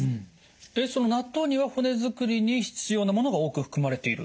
その納豆には骨づくりに必要なものが多く含まれている？